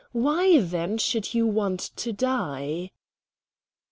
Why, then, should you want to die?"